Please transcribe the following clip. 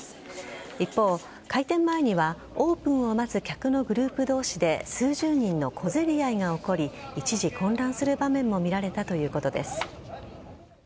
一方、開店前にはオープンを待つ客のグループ同士で数十人の小競り合いが起こり一時混乱する場面も見られたということです。